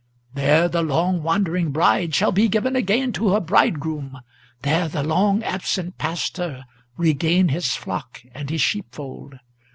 There the long wandering bride shall be given again to her bridegroom, There the long absent pastor regain his flock and his sheepfold.